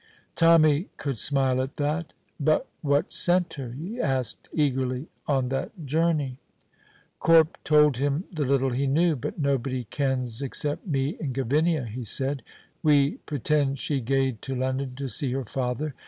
Tommy could smile at that. "But what sent her," he asked eagerly, "on that journey?" Corp told him the little he knew. "But nobody kens except me and Gavinia," he said. We pretend she gaed to London to see her father.